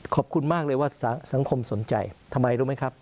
ขอบคุณมากเลยว่าสังคมสนใจทำไมรู้ไหมครับ